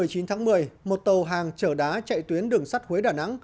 đối qua một mươi chín tháng một mươi một tàu hàng chở đá chạy tuyến đường sắt huế đà nẵng